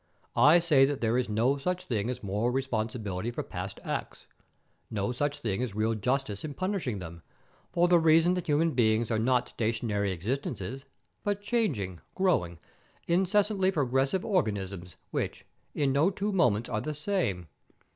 I say that there is no such thing as moral responsibility for past acts, no such thing as real justice in punishing them, for the reason that human beings are not stationary existences, but changing, growing, incessantly progressive organisms, which in no two moments are the same.